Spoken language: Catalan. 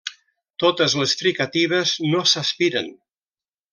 Totes les fricatives no s'aspiren.